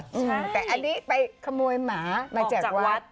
อืมแต่อันนี้ไปขโมยหมามาจากวัด